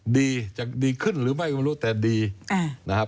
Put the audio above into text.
ดีจะดีขึ้นหรือไม่ก็ไม่รู้แต่ดีนะครับ